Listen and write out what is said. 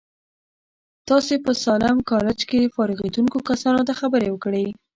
تاسې په ساليم کالج کې فارغېدونکو کسانو ته خبرې وکړې.